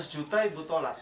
seratus juta ibu tolak